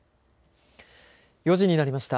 ４時になりました。